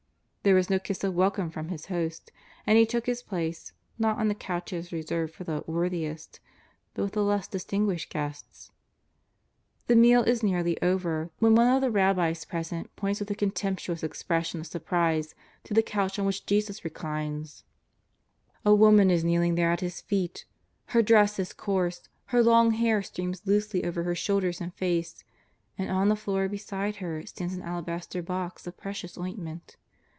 There was no kiss of welcome from His host, and He took His place, not on the couches reserved for " the worth iest," but with the less distinguished guests. The meal is nearly over when one of the rabbis pres JESUS OF NAZARETH. 213 ent points witli a contemptuous expression of surprise to the coucli on whicli Jesus reclines. A woman is kneeling there at His feet. Her dress is coarse, her long hair streams loosely over her shoulders and face, and on the floor beside her stands an alabaster box of precious ointment.